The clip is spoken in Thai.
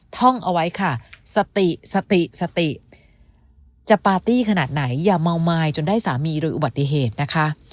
ท่องเอาไว้ค่ะสติสติสติสติสติจะปาร์ตี้ขนาดไหนอย่าเมาไม้จนได้สามีโดยอุบัติเหตุนะคะ